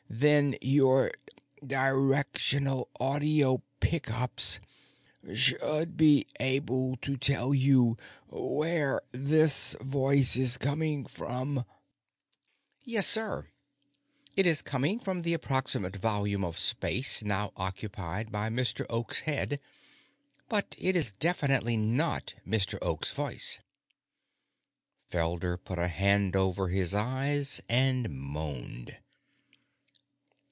Then your directional audio pick ups should be able to tell you where this voice is coming from." "Yes, sir. It is coming from the approximate volume of space now occupied by Mr. Oak's head. But it is definitely not Mr. Oak's voice." Felder put a hand over his eyes and moaned.